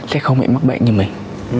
sẽ không bị mắc bệnh như mình